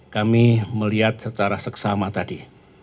kami melihat secara seksama tadi